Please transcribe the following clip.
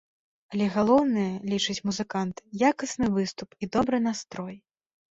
Але галоўнае, лічаць музыканты, якасны выступ і добры настрой!